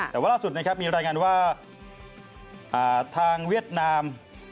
แต่ว่าล่าสุดนะครับมีรายงานว่าทางเวียดนาม